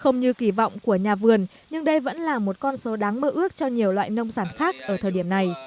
không như kỳ vọng của nhà vườn nhưng đây vẫn là một con số đáng mơ ước cho nhiều loại nông sản khác ở thời điểm này